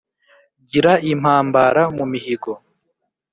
ngira impambara mu mihigo